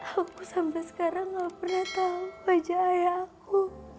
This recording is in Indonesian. aku sampai sekarang gak pernah tahu aja ayah aku